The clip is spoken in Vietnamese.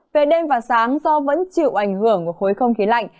về đêm và sáng do vẫn chịu ảnh hưởng của khối không khí lạnh